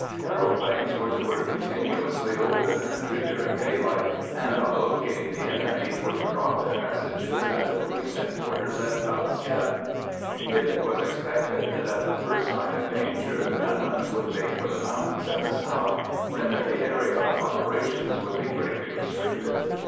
Aeroplanes were to work continuously over the country during daylight, and on locating the enemy, were to drop their messages at the police headquarters at Ballyscadden. It was expected that at the first sign of danger the gunmen would make for the mountains in the south, when the area of operations would be greatly restricted.